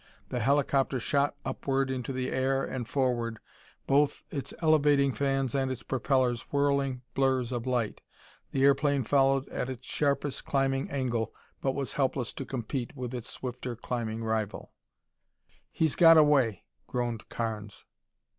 The helicopter shot upward into the air and forward, both its elevating fans and its propellers whirling blurs of light. The airplane followed at its sharpest climbing angle, but was helpless to compete with its swifter climbing rival. "He's got away!" groaned Carnes.